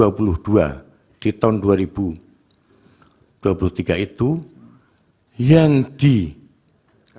yang diperhatikan dari tiga ratus dua puluh dua di tahun dua ribu dua puluh tiga itu yang diperhatikan dari tiga ratus dua puluh dua di tahun dua ribu dua puluh tiga itu yang diperhatikan